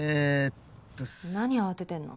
何慌ててるの？